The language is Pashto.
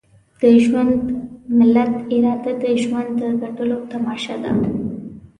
د ژوندي ملت اراده د ژوند د ګټلو تماشه ده.